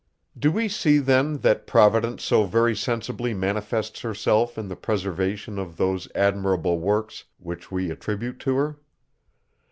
Do we see then, that Providence so very sensibly manifests herself in the preservation of those admirable works, which we attribute to her?